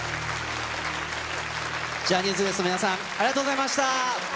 ジャニーズＷＥＳＴの皆さん、ありがとうございました。